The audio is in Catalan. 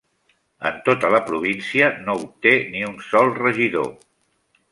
En tota la província no obté ni un sol regidor.